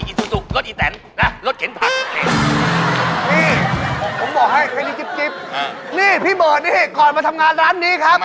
นี่พี่เบอร์ค่ะเต็มก่อนมาทำงานร้านนี้นะครับ